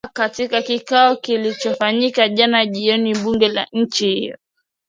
a katika kikao kilichofanyika jana jioni bunge la nchi hiyo